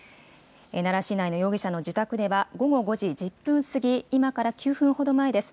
奈良市内の容疑者の自宅では、午後５時１０分過ぎ、今から９分ほど前です。